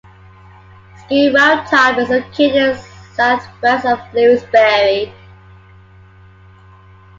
Ski Roundtop is located southwest of Lewisberry.